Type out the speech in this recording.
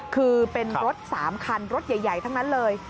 คือเป็นรถ๓คันรถใหญ่ทั้งนั้นเลย